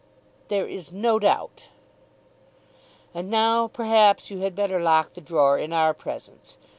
"There is no doubt." "And now perhaps you had better lock the drawer in our presence.